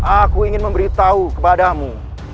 aku ingin memberitahu kepadamu